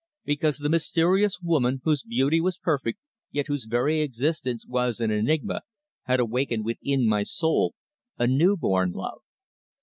Because the mysterious woman, whose beauty was perfect, yet whose very existence was an enigma, had awakened within my soul a new born love.